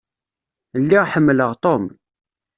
Lliɣ ḥemmleɣ Tom.